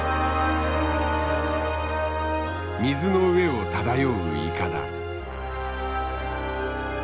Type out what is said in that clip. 水の上を漂ういかだ。